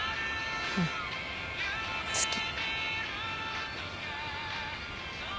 うん好き。